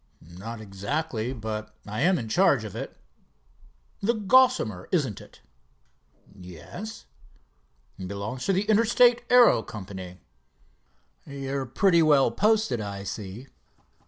"Not exactly, but I am in charge of it." "The Gossamer, isn't it?" "Yes." "Belongs to the Interstate Aero Company?" "You're pretty well posted, I see."